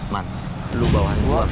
man lu bawain gue